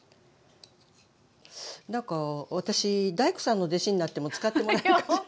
なんか私大工さんの弟子になっても使ってもらえるかしら。